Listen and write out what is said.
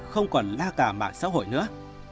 không còn la cả mạng xã hội nữa